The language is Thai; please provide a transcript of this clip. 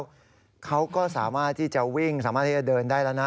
แล้วเขาก็สามารถที่จะวิ่งสามารถที่จะเดินได้แล้วนะ